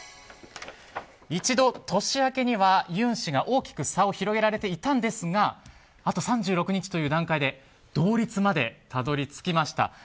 一度、年明けにはユン氏が大きく差を広げられていたんですがあと３６日という段階で同率までたどり着きました。